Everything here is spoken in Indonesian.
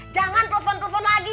jangan telfon telfon lagi